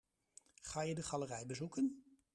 Ge je de galerij bezoeken?